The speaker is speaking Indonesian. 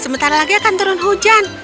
sebentar lagi akan turun hujan